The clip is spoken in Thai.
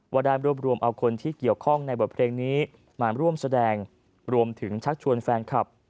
ได้รวบรวมเอาคนที่เกี่ยวข้องในบทเพลงนี้มาร่วมแสดงรวมถึงชักชวนแฟนคลับ